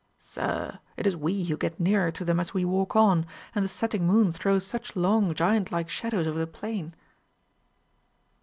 "Sir, it is we who get nearer to them as we walk on, and the setting moon throws such long giant like shadows over the plain."